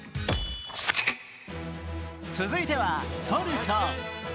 続いてはトルコ。